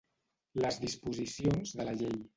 Les disposicions de la llei.